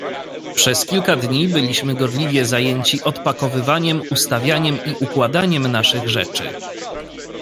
"Przez kilka dni byliśmy gorliwie zajęci odpakowywaniem, ustawianiem i układaniem naszych rzeczy."